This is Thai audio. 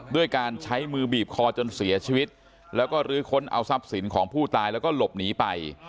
ด้วยการใช้มือบีบคอจนเสียชีวิตแล้วก็ลื้อค้นเอาทรัพย์สินของผู้ตายแล้วก็หลบหนีไป